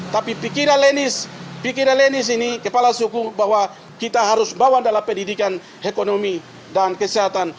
tapi pikiran lenis ini kepala suku bahwa kita harus bawa dalam pendidikan ekonomi dan kesehatan